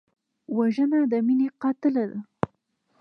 وژنه د مینې قاتله ده